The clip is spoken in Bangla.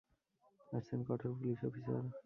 আসছেন কঠোর পুলিশ অফিসার!